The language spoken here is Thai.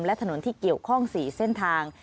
และถนนที่เกี่ยวข้อง๔เส้นทาง